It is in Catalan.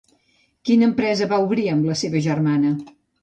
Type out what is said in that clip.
Quina empresa va obrir amb la seva germana?